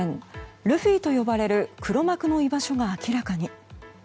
ルフィと呼ばれる黒幕の居場所が明らかに。